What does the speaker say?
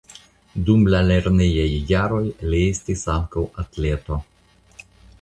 Dum la lernejaj jaroj li estis ankaŭ atleto.